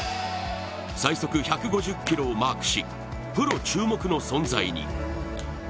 最速１５０キロをマークし、プロ注目の存在に。